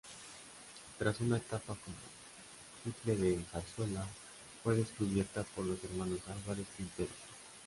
Tras una etapa como tiple de Zarzuela, fue descubierta por los hermanos Álvarez Quintero.